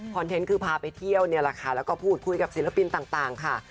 คอนเทนต์คือพาไปเที่ยวพูดคุยกับศิลปินต่างค่ะ